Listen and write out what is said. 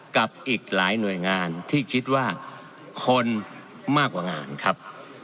กับอีกหลายหน่วยงานที่คิดว่าคนมากกว่างานครับ